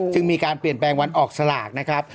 จึงมีการเปลี่ยนแปลงวันออกสลากนะครับ